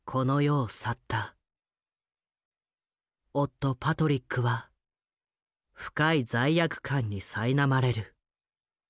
夫パトリックは深い罪悪感にさいなまれる。